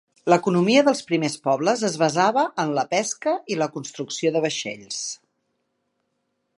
L'economia dels primers pobles es basava en la pesca i la construcció de vaixells.